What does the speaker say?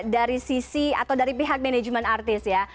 dari sisi atau dari pihak manajemen artis ya